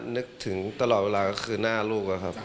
นึกถึงตลอดเวลาก็คือหน้าลูกอะครับ